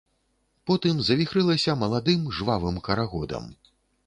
Потым завіхрылася маладым, жвавым карагодам.